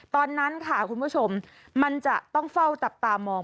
ตอนนั้นค่ะคุณผู้ชมมันจะต้องเฝ้าจับตามอง